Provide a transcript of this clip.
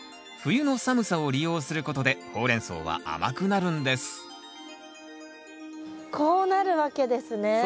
冬の寒さを利用することでホウレンソウは甘くなるんですこうなるわけですね。